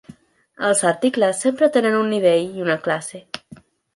Els articles sempre tenen un nivell i una classe.